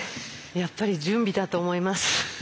やっぱり準備だと思います。